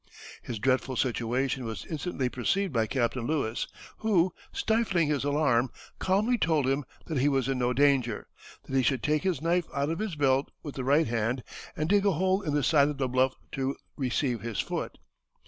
His dreadful situation was instantly perceived by Captain Lewis, who, stifling his alarm, calmly told him that he was in no danger, that he should take his knife out of his belt with the right hand and dig a hole in the side of the bluff to receive his foot.